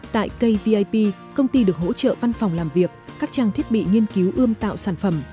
tại kvip công ty được hỗ trợ văn phòng làm việc các trang thiết bị nghiên cứu ươm tạo sản phẩm